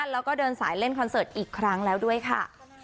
แล้วก็เดินสายเล่นคอนเสิร์ตอีกครั้งแล้วด้วยค่ะ